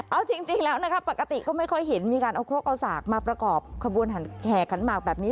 เอาจริงแล้วนะครับปกติก็ไม่ค่อยเห็นมีการเอาครกเอาสากมาประกอบขบวนแห่ขันหมากแบบนี้